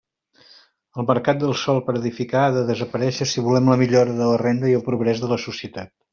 El mercat del sòl per edificar ha de desaparéixer si volem la millora de la renda i el progrés de la societat.